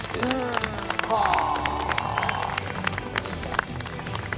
はあ。